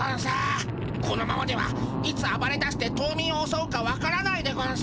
このままではいつあばれだして島民をおそうかわからないでゴンス。